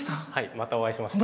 またお会いしましたね。